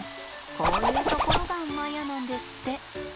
こういうところがマヤなんですって。